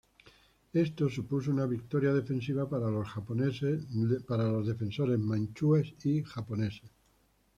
Esto supuso una victoria defensiva para los defensores manchúes y japoneses.